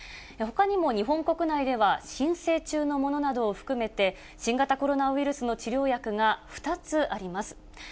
ほかにも日本国内では、申請中のものなどを含めて、新型コロナウイルスの治療薬が２つあります。